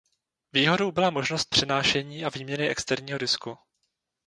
Výhodou byla možnost přenášení a výměny externího disku.